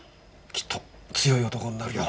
きっと強い男になるよ。